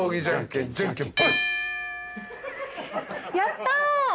やった！